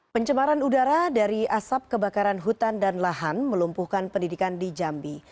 pencemaran udara dari asap kebakaran hutan dan lahan melumpuhkan pendidikan di jambi